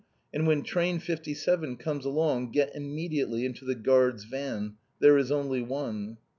And when train 57 comes along get immediately into the guard's van! There is only one."